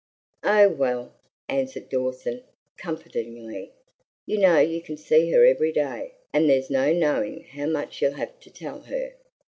"Oh, well!" answered Dawson, comfortingly, "you know you can see her every day, and there's no knowing how much you'll have to tell her.